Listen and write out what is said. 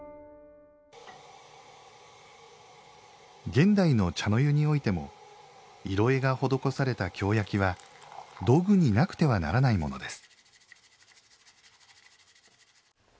現代の茶の湯においても色絵が施された京焼は道具になくてはならないものです